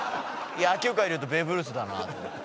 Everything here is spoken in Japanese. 野球界でいうとベーブ・ルースだなと思って。